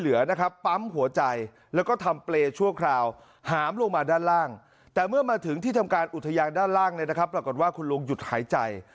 อุทยานด้านล่างเลยนะครับปรากฏว่าคุณลุงหยุดหายใจ